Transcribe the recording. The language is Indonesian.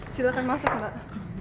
silakan masuk mbak